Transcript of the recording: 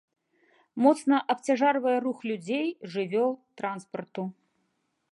Моцна абцяжарвае рух людзей, жывёл, транспарту.